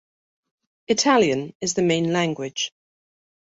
Italian is the main language.